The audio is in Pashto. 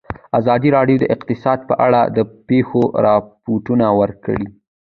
ازادي راډیو د اقتصاد په اړه د پېښو رپوټونه ورکړي.